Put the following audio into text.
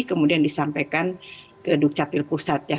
kemudian disampaikan ke dukcapil pusat ya